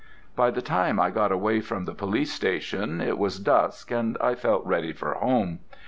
By the time I got away from the police station it was dusk, and I felt ready for home.